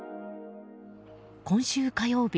今週火曜日